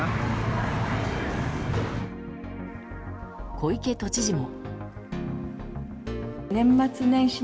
小池都知事も。